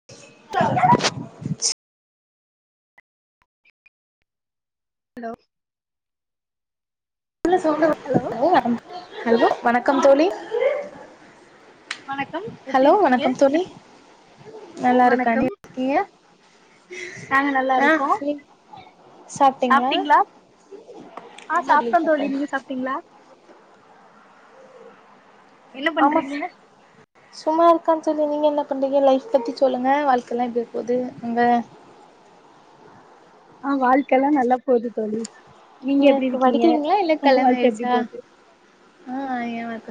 [unintelligible] Hello hello hello வணக்கம் தோழி வணக்கம் எப்டி ஹலோ இருக்கீங்க வணக்கம் தோழி நல்லா இருக்கேன் நீ வணக்கம் எப்டி இருக்கீங்க நாங்க நல்லா ஆ இருக்கோம் சாப்ட்டீங்களா ஆ ஆமா சாப்ட்ட தோழி சாப்பிட்டோம். நீங்க சாப்ட்டீங்ளா என்ன ஆமாஸ் பண்றீங்க சும்மா இருக்கேன் தோழி நீங்க என்ன பண்றீங்க லைஃப் பத்தி சொல்லுங்க வாழ்க்கலாம் எப்டி போகுது அங்க ஆ வாழ்க்கலா நல்லா போது தோழி நீங்க எப்டி நீங்கக்கு இருக்கீங்க வடிக்கிறீங்களா இல்ல உங்க கல்யானோ வாழ்க்க எப்டி ஆயிருச்சா போகுது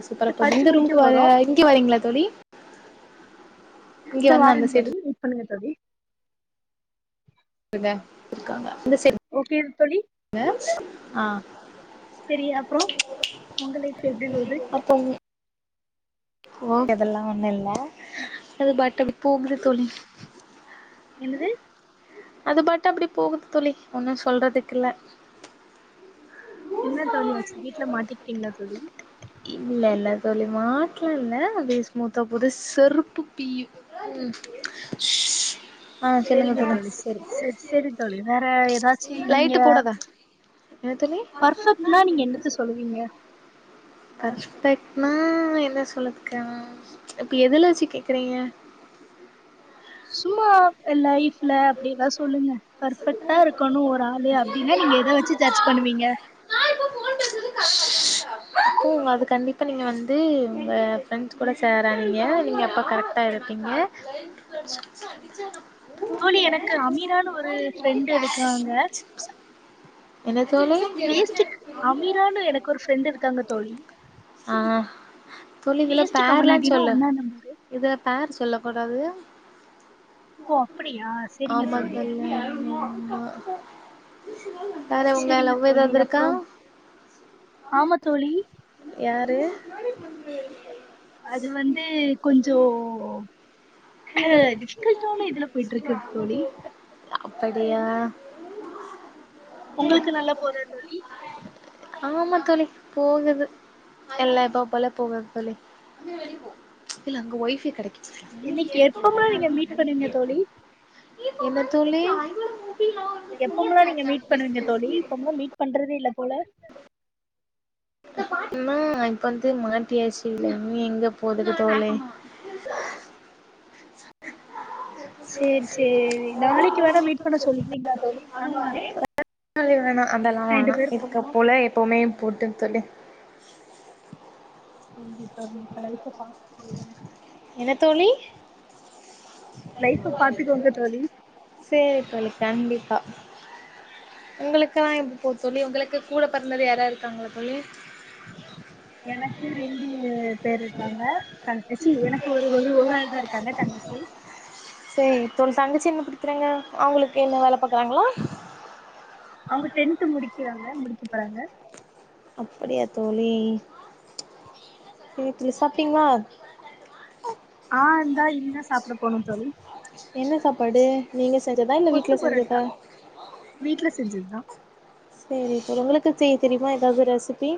சூப்பரா இது போது படிச்சு இந்த முடிக்க ரூம்க்கு வர போறோ இங்க வரீங்களா தோழி இங்க இந்தா வந்து அந்த வாரேன் தோழி சைடு வெயிட் பண்ணுங்க தோழி இங்க இருக்காங்க இந்த சைடு ஓகேவ தோழி வச்சு ஆ செரி அப்போ ஒங்க லைஃப் எப்டி போது மத்தவிங்க ஓ அதெல்லாம் ஒண்ணு இல்ல அது பாட்டுக்கு தூங்குது தோழி என்னது அது பாட்டு அப்டி போகுது தோழி ஒன்னு சொல்றதுக்கில்ல என்ன தோழியாச்சு வீட்ல மாட்டிக்கிட்டீங்களா தோழி இல்ல இல்ல தோழி மாட்லா இல்ல அப்டியே ஸ்மூத்தா பொது செருப்பு பியூ உம் சேரிங்க தோழி சேரி சேரி சேரி தோழி வேற ஏதாச்சி நீங்க லைட்டு போடாதா என்ன தோழி பர்ஃபெக்ட்னா நீங்க என்னத்த சொல்லுவீங்க பர்ச்சு டைப்னா என்ன சொல்லுதுக்கா இப்ப எதுலா வச்சு கேக்கிறீங்க சும்மா லைஃப்ல அப்டி எதா சொல்லுங்க பர்ஃபெக்ட்டா இருக்கணு ஒரு ஆளு அப்டின்னா நீங்க எத வச் சு ஜச் பண்ணுவீங்க நான் இப்ப போன் கதன் பூ அது கண்டிப்பாக நீங்க வந்து உங்க ஃப்ரெண்ட்ஸ் கூட சேராதீங்க நீங்க அப்ப கரெக்ட்டா இருப்பீங்க சாதிச்சானா தோழி எனக்கு அமீரான்னு ஒரு ஃப்ரெண்டு இருக்காங்க என்ன தோழி வேஸ்ட்டுக்கு அமீரான்னு எனக்கு ஒரு ஃப்ரெண்டு இருக்காங்க தோழி ஆ தோழி இதுல வேஸ்ட்டு பேர்ல்லா கமனாட்டினா சொல்லு ஒன்னா நம்பரு இதுல பேர் சொல்ல கூடாது ஓ அப்படியா செரிங்க ஆமா தோழி ஆமா ஆமா வேற உங்க செரிங்க லவ் தோழி ஏதாது இருக்கா அப்றோ ஆமா தோழி யாரு அது வந்து கொஞ்சோ [unintelligible] இதுல போயிட்டுருக்குத் தோழி அப்படியா உங்களுக்கு நல்லா போதா தோழி ஆமா தோழி போகுது எல்லா இப்ப போல போவே தோழி இல்ல அங்க ஒய்ஃப கெடைக்குது இன்னைக்கி எப்போம நீங்க மீட் பண்ணுவீங்க தோழி என்ன தோழி எப்போம்லா நீங்க மீட் பண்ணுவீங்க தோழி இப்போம்ல்லா மீட் பண்றதே இல்ல போல மா இப்ப வந்து மாட்டியாச்சு இல்ல நீ எங்க போகுது தோழி சேரி சேரி நாளைக்கு வேணா மீட் பண்ண சொல்றீங்ளா தோழி நானு வறே இல்ல வேணா அதெல்லா வேணா இருக்க போ இல்ல எப்பவுமே போட்டுந் தோழி கண்டிப்பா நீங்க லைஃப்ப பாத்துக்கோகங்க என்ன தோழி லைஃப்ப பாத்துக்கோங்க தோழி சேரி தோழி கண்டிப்பா உங்களுக்கா எப்டி போது தோழி உங்களுக்கு கூட பெறந்தது யாராது இருக்காங்ளா தோழி எனக்கு இரண்டு ஊ பேர் இருக்காங்க க அ ச்சி எனக்கு ஒரு ஒரு ஒரு ஆள்தா இருக்காங்க கங்கச்சி சேரி உங் தங்கச்சி என்ன படிக்கிறாங்க அவங்களுக்கு என்ன வேல பாக்கறாங்களா அவுங்க டென்த் முடிக்கிறாங்க முடிக்க போறாங்க அப்டியா தோழி [unintelligible] சாப்ட்டீங்ளா ஆ இந்தா இனிதா சாப்ட போணுன்னு தோழி என்ன சாப்பாடு நீங்க செஞ்சதா இல்ல கொத்து வீட்ல பரோட்டா செஞ்சதா வீட்ல செஞ்சதுதா சேரி சேர் உங்களுக்கு செய்ய தெரியிமா ஏதாவது ரெசிபி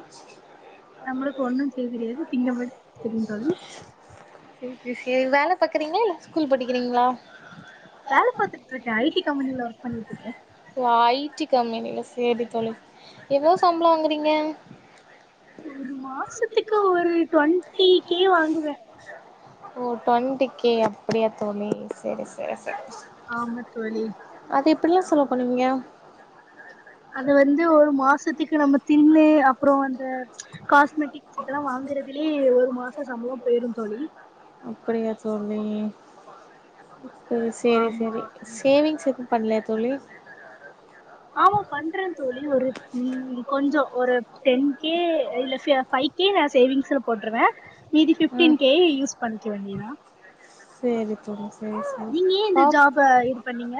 நம்மளுக்கு ஒண்ணு செய்ய தெரியாது திங்க மட் தெரியு தோழி சேரி சிஸ் வேல பாக்கிறீங்ளா இல்ல ஸ்கூல் படிக்கிறீங்ளா வேல பாத்துட்டு இருக்கே ஐ டி கம்பெனில ஒர்க் பண்ணிட்டுக்கே ஐடி கம்பெனில சேரி தோழி எவ்ளோ சம்ளோ வாங்குறீங்க ஒரு மாசத்துக்கு ஒரு ட்வெண்ட்டி கே வாங்குவ ஓ டுவெண்ட கே அப்படியா தோழி சரி சரி சரி ஆமா தோழி அது எப்டிலா செலவு பண்ணுவீங்க அது வந்து ஒரு மாசத்துக்கு நம்ம தின்னு அப்றோ அந்த காஸ்மெட்டிக்ஸ் இதெல்லா வாங்கறதுலயே ஒரு மாசோ சம்பளோ போயிரு தோழி அப்படியா தோழி சேரி ஆமா சேரி சேவிங்ஸ் எதுவு பன்லயா தோழி ஆமா பண்றே தோழி ஒரு ம் கொஞ்சோ ஒரு டென் கே இல்ல ச பைவ் கே நா சேவிங்ஸ்ல போட்டுருவே மீதி ம் பிப்டீன் கே யூஸ் பண்ணிக்க வேண்டியதா சேரி தோழி சேரி சேரி அ இது பண்ணீங்க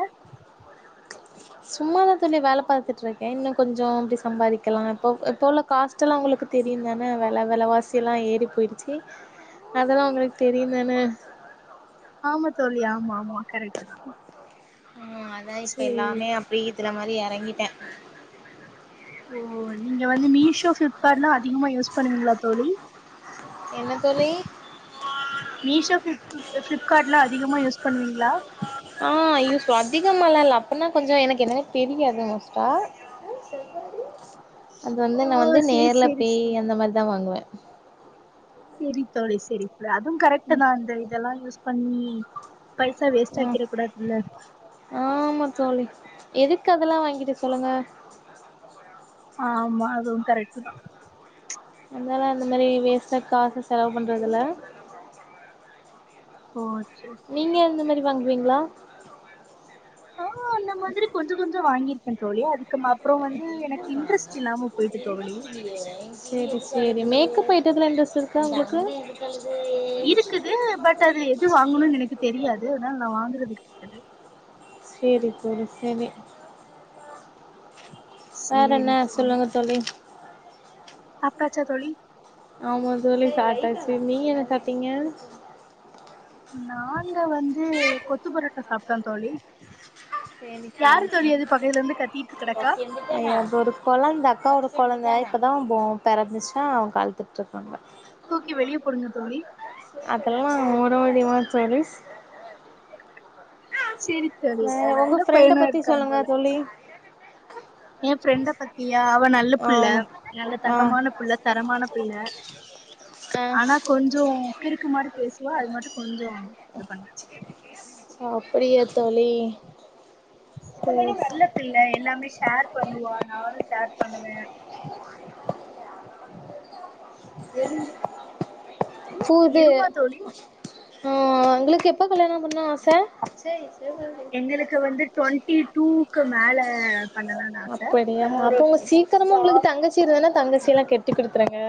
சும்மாதா தோழி வேல பாத்துட்ருக்கே இன்னு கொஞ்சோ அப்டி சம்பாரிக்கலா இப்போ இப்ப உள்ள காஸ்ட்டெல்லா உங்களுக்கு தெரியுந்தானே வெல வெலவாசியெல்லா ஏறி போய்ருச்சு அதெல்லா உங்களுக்கு தெரியு தானே ஆமா தோழி ஆமா ஆமா கரெக்ட்டு தா ஆ அதா இப்ப சேரி எல்லாமே அப்டி இதுல மாரி எறங்கிட்ட ஓ நீங்க வந்து மீஷோ ஃப்ளிப்கார்ட்லா அதிகமாக யூஸ் பண்ணுவீங்களா தோழி என்ன தோழி மீஷோ ஃப்ளிப் பிளிப் பிளிப்கார்ட்லா அதிகமாக யூஸ் பண்ணுவீங்ளா ஆ யூஸ் அதிகமாலா இல்ல அப்பனா கொஞ்சோ எனக்கு என்னன்ன தெரியாது மோஸ்டா அது வந்து நா ஓ வந்து சேரி நேர்ல சேரி பேய் சேரி அந்த மாதிரிதா வாங்குவ சேரி தோழி சேரி தோழி அதுவு கரெக்ட்டுதா இந்த இதெல்லா யூஸ் பண்ணி பைசா வேஸ்ட் ம் ஆக்கிர கூடாதுல்ல ஆமா தோழி எதுக்கு அதெல்லா வாங்கிட்டு சொல்லுங்க ஆமா அதுவு கரெக்ட்டு தா அதனால அந்த மாரி வேஸ்டா காசு செலவு பண்றதுல்ல ஓ சேரி நீங்க அந்த மாரி வாங்குவீங்ளா நா அந்த மாதிரி கொஞ்சோ கொஞ்சோ வாங்கிருக்கன் தோழி அதுக்கு மா அப்றோ வந்து எனக்கு இன்ட்ரெஸ்ட் இல்லாம போயிட்டு தோழி சரி சரி மேக்கப் ஐட்டதுல இண்ட்ரெஸ்ட் இருக்கா உங்களுக்கு [unintelligible] இருக்குது பட் அது எது வாங்கணுனு எனக்கு தெரியாது அதனால நா வாங்கறது [unintelligible] சேரி தோழி சேரி வேற சேரி என்ன சொல்லுங்க தோழி சாப்டாச்சா தோழி ஆமா தோழி சாப்டாச்சு நீங்க என்ன சாப்டீங்க நாங்க வந்து கொத்து பரோட்டா சாப்டோ தோழி சேரி சேரி யாரு தோழி சேரி அது பக்கத்துல இருந்து கத்திட்டு கடக்கா அப்ப ஒரு கொழந்த அக்காவோட கொழந்த இப்பதா போ பெறந்துச்சா அழுதுட்ருக்காங்க தூக்கி வெளிய போடுங்க தோழி அதெல்லா [unintelligible] வேற சிரிக்காதீக உங்க வெல்ல ஃப்ரெண்ட பையனா பத்தி இருக்கா சொல்லுங்க போல தோழி என் ஃப்ரெண்ட பத்தியா அவ நல்ல புள்ள ஆமா நல்ல ஆ தங்கமான புள்ள தரமான புள்ள ஆ ஆனா கொஞ்சோம் கிருக்கு மாரி பேசுவா அது மட்டும் கொஞ்சோம் இது பண்ணறதே அப்படியா தோழி மத்தபடி தெர்ல நல்ல பிள்ள எல்லாமே ஷேர் பண்ணுவா நானு ஷேர் பண்ணுவே [unintelligible] என்ன பூது அ இருமா தோழி ஒங்களுக்கு எப்ப கல்யாணம் பண்ண ஆச சய் எங்களுக்கு வந்து ட்வெண்ட்டி டூக்கு மேல பண்ணலாமன் ஆச அப்படியா நல்ல ஒரு அப்ப உங்க சீக்கிரமா ஜா உங்களுக்கு தங்கச்சி இருந்தன்னா தங்கச்சி எல்லா கெட்டி குடுத்துறங்க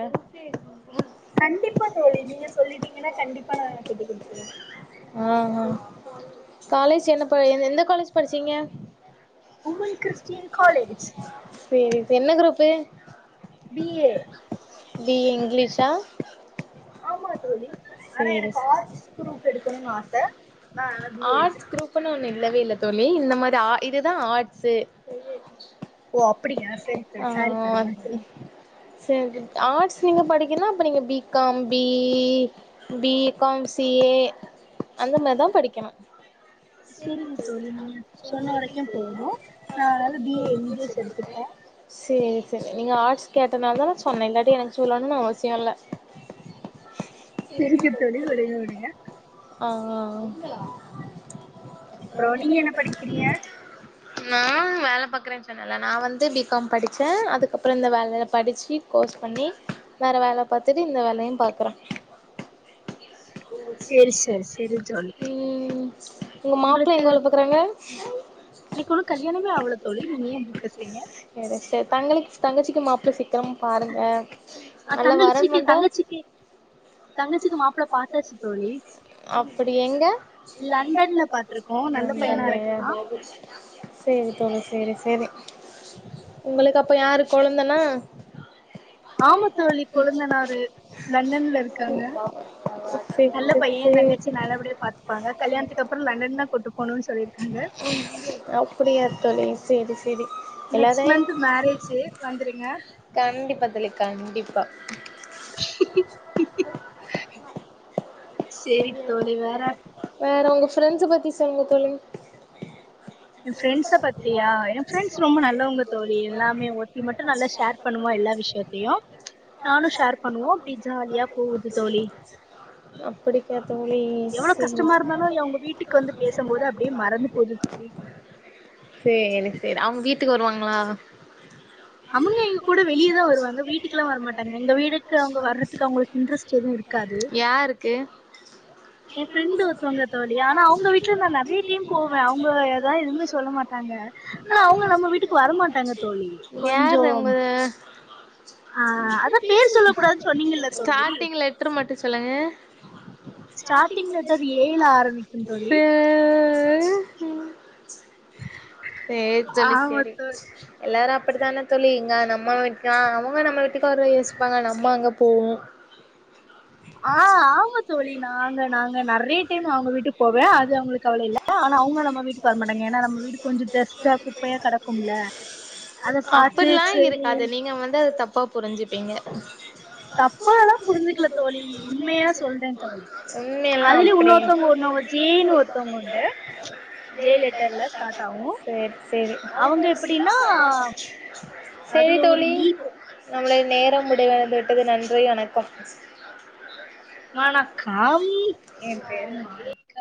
கண்டிப்பா தோழி நீங்க சொல்லிட்டீங்கன்னா கண்டிப்பா நா கெட்டி குடுத்துருவேன் ஆ காலேஜ் என்ன ப எந்த காலேஜ் படிச்சீங்க உமன் கிறிஸ்டியன் காலேஜ் சேரி சே என்ன group B A B A இங்கிலீஷா ஆமா தோழி ஆனா சேரி எனக்கு ஆர்ட்ஸ் குரூப் எடுக்கணுனு ஆச நா ஆனா பி ஏ ஆட்ர்ஸ் எடுத்திருக்கே குரூப் இப்பணும் ஒன்னு இல்லவே இல்ல தோழி இந்த மாரி இதுதா ஆர்ட்ஸு ஓ அப்புடியா செரி தோழி சாரி தோழிங்க சேரி ஆர்ட்ஸ் நீங்க படிக்கீன்னா அப்ப நீங்க B com B E B com C A அந்த மாரிதா படிக்கணும் செரிங்க தோழி நீங்க சொன்ன வரைக்கும் போதும் நா பி ஏ இங்லிஷ் எடுத்துப்ப சேரி சேரி நீங்க ஆர்ட்ஸ் கேட்டனால தா நா சொன்னேன் இல்லாட்டி எனக்கு சொல்லணும் அவசியம் இல்ல செரிக்க தோழி விடுங்க விடுங்க ஆ அப்றோம் நீங்க என்ன படிக்கிறீங்க நான் வேல பாக்குறேன் சொன்னல நா வந்து பி காம் படிச்சேன் அதுக்கப்பறம் இந்த வேலல படிச்சி கோர்ஸ் பண்ணி‌ வேற வேல பாத்துட்டு இந்த வேலையும் பாக்குறேன் ஓ சேரி சேரி உம் ஒங்க மாப்புள்ள உங்களுக்கு எங்க வேல பாக் க்குறங்க உங்களுக்கு ஒன்னு கல்யாணமே ஆவல தோழி நீங்க ஏ இப்டி பேசுறீங்க செரி செரி தங்களுக்கு தங்கச்சிக்கு மாப்ள செ தம் பாருங்க அ நல்ல வரன் தங்கலச்சிக்கு வந்தா தங்கச்சிக்கு தங்கச்சிக்கு மாப்ள்ள பாத்தாச்சு தோழி அப்டி எங்க லண்டன்ல பாத்துருக்கோ நல்ல பையனா இருக்கா பாத்துருக்கோ சேரி தோழி சேரி சேரி உங்களுக்கு அப்ப யாரு கொழுந்தனா ஆமா தோழி கொழுந்தநாறு லண்டன்ல இருக்காங்க நல்ல பையேன் தங்கச்சி நல்லபடியா பாத்தப்பாங்க கல்யாணத்துக்கு அப் அப்டியா தோழி சேரி சேரி நெக்ஸ்ட் எல்லாரையு மந்த் மேரேஜி வந்துருங்க கண்டிப்பா தோழி கண்டிப்பா சேரி தோழி வேற வேற ஒங்க ஃப்ரெண்ட்ஸ பத்தி சொல்லுங்க தோழி என் ஃப்ரெண்ட்ஸ பத்தியா என் ஃரெண்ட்ஸ் ரொம்ப நல்லவங்க தோழி எல்லாமே ஒத்தி மட்டும் நல்லா [inaudible] ஷேர் பண்ணுவா எல்லா விஷயத்தையு நானு ஷேர் பண்ணுவோ அப்டி ஜாலியா போகுது தோழி அப்டிக்காத் தோழி செரிங் க்கு வந்து பேசும் போது அப்டியே மறந்து போது தோழி சேரி சேரி அவங்க வீட்டுக்கு வருவாங்களா அவங்க எங்க கூட வெளியேதா வருவாங்க வீட்டுக்கெல்லா வரமாட்டாங்க எங்க வீட்டுக்கு அவங்க வர்றதுக்கு அவங்களுக்கு இன்ட்ரெஸ்ட் எதுவு இருக்காது ஓகே ஏ ஃபிரெண்டு் ஒருத்தவங்க தோழி ஆனா அவங் அவங்க வீட்ல நா நெறைய டைம் போவே அவங்க எத எதுவுமே சொல்ல மாட்டாங்க ஆனா அவங்க நம்ம வீட்டுக்கு வரமாட்டாங்க தோழி யாரு கொஞ்சம் உங்க ஆ அதா பேர் சொல்ல கூடாதுன்னு சொன்னீங்கல்ல தோழி லெட்டர் மட்டு சொல்லுங்க ஸ்டார்டிங் லெட்டர் ஏய் ல‌ ஆரம்பிக்கும் தோழி சே சேரி தோழி ஆமா சேரி தோழி எல்லாரு அப்பிடித்தானே தோழி இங்க நம்ம வீட்டு அவங்க நம்ம வீட்டுக்கு அவ யோசிப்பாங்க நம்ம அங்கே போவோ ஆ ஆமா தோழி நாங்க நாங்க நெறைய டைம் அவங்க வீட் போவே அது அவங்களுக்கு கவல இல்ல ஆனா அவங்க நம்ம வீட்டுக்கு வரமாட்டாங்க ஏன்னா நம்ம வீட்டு கொஞ்ச டஸ்ட்டா குப்பையா கெடக்கும்ல அத பாத்து அப்படிலா சேரி இருக்காது நீங்க வந்து அது தப்பு ப்பா புருஞ்சுப்பீங்க தப்பல்லா புரிஞ்சுக்கல தோழி உண்மையா சொல்றே தோழி உண்மையெல்லா அதுலயு அப்படி இன்னொத்தவங்க ஒன்ன ஜேன்னு ஒருத்தவங்க உண்டு ஜெ லெட்டர்ல ஸ்டார்ட் ஆகு சேரி சேரி அவங்க எப்படின்னா அது ஒரு ஈகோ நம்மளுடைய நேரம் முடிவடைந்து விட்டது நன்றி வணக்கம் வணக்கம் ஏ பேரு [inaudible]